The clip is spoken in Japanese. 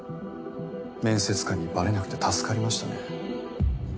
面接官にバレなくて助かりましたね。